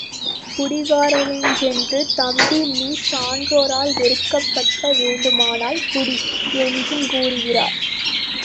குடிகாரனிடஞ் சென்று, தம்பி நீ சான்றோரால் வெறுக்கப்பட வேண்டுமானால் குடி! என்றுங் கூறுகிறார்.